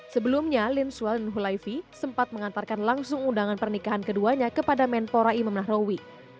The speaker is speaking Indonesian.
sebelumnya lin suel dan hulaifi sempat mengantarkan langsung undangan pernikahan keduanya kepada menpora imam nahrawi